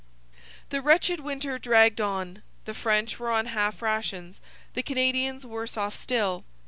The wretched winter dragged on. The French were on half rations, the Canadians worse off still.